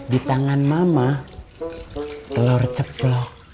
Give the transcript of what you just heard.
di tangan mama telur ceplok